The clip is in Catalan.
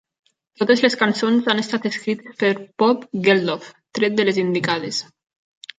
Totes les cançons ha estat escrites per Bob Geldof, tret de les indicades.